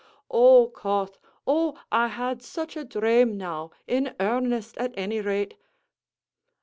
"O Cauth, oh, I had such a dhrame, now, in earnest, at any rate!"